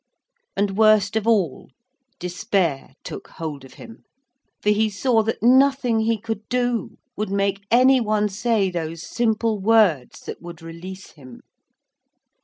And, worst of all, despair took hold of him, for he saw that nothing he could do would make any one say those simple words that would release him.